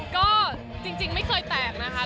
ก็จริงไม่เคยแตกนะคะ